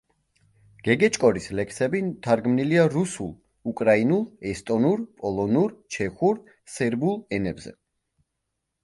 გეგეჭკორის ლექსები თარგმნილია რუსულ, უკრაინულ, ესტონურ, პოლონურ, ჩეხურ, სერბულ ენებზე.